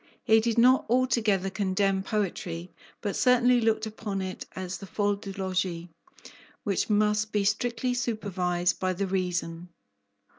He did not altogether condemn poetry, but certainly looked upon it as the folle du logis, which must be strictly supervised by the reason.